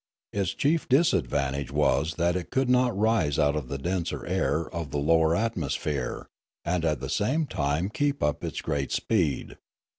Its chief disadvantage was that it could not rise out of the denser air of the lower atmo sphere, and at the same time keep up its great speed.